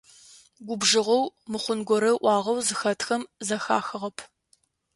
Губжыгъэу, мыхъун горэ ыӏуагъэу зыхэтхэм зэхахыгъэп.